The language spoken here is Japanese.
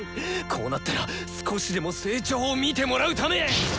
こうなったら少しでも成長を見てもらうため。